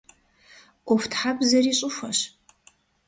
Ӏуэхутхьэбзэри щӀыхуэщ.